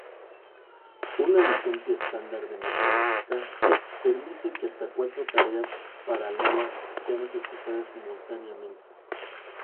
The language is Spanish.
Una licencia estándar de Mathematica permite que hasta cuatro tareas paralelas sean ejecutadas simultáneamente.